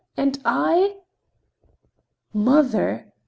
And I?" "Mother!"